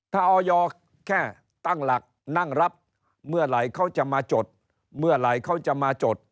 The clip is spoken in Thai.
ถ้าออยแค่ตั้งหลักนั่งรับเมื่อไหร่เขาจะมาจดเมื่อไหร่เขาจะมาจด